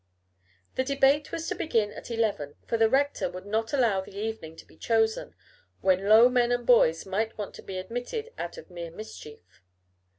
The debate was to begin at eleven, for the rector would not allow the evening to be chosen, when low men and boys might want to be admitted out of mere mischief.